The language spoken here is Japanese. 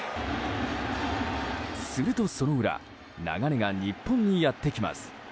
すると、その裏流れが日本にやってきます。